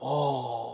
ああ。